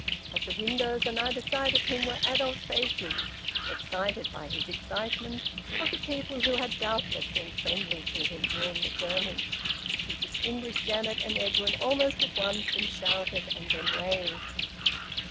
At the windows on either side of him were adult faces, excited by his excitement, of the people who had doubtless been friendly to him during the journey. He distinguished Janet and Edwin almost at once, and shouted, and then waved.